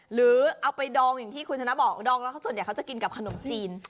หรือเอาไปดองอย่างที่คุณชนะบอกดองแล้วส่วนใหญ่เขาจะกินกับขนมจีน